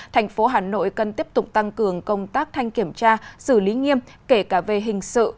thành phố hà nội cần tiếp tục tăng cường công tác thanh kiểm tra xử lý nghiêm kể cả về hình sự